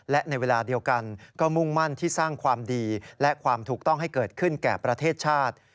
และในเวลาเดียวกันก็มุ่งมั่นที่สร้างความดีและความถูกต้องให้เกิดขึ้นแก่ประเทศชาติ